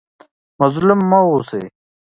مظلوم مه اوسئ.